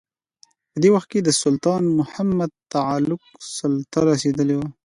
په دې وخت کې د سلطان محمد تغلق سلطه رسېدلې.